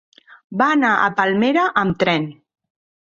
Va anar a Palmera amb tren.